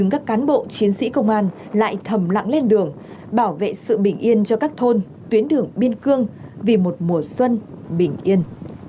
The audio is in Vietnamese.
các cán bộ chiến sĩ công an lại thầm lặng lên đường bảo vệ sự bình yên cho các thôn tuyến đường biên cương vì một mùa xuân bình yên